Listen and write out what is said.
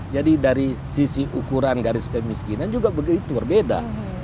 jadi dari sisi ukuran garis kemiskinan juga begitu berbeda